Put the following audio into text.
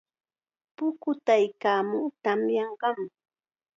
Pukutaykaamun, tamyanqam.